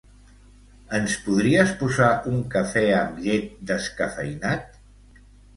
Ens podries posar un cafè amb llet descafeïnat?